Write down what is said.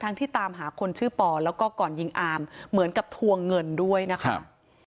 ที่ตามหาคนชื่อปอแล้วก็ก่อนยิงอามเหมือนกับทวงเงินด้วยนะคะ